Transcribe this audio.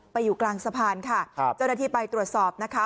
อยู่กลางสะพานค่ะครับเจ้าหน้าที่ไปตรวจสอบนะคะ